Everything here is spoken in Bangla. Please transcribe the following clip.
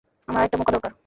আমার আরেকটা মোকা দরকার।